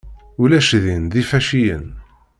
Ulac din d ifaciyen.